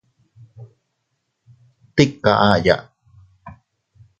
Tika aʼaya.